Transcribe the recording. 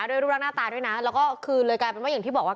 รูปร่างหน้าตาด้วยนะแล้วก็คือเลยกลายเป็นว่าอย่างที่บอกว่า